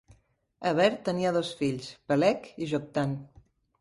Eber tenia dos fills: Peleg i Joktan.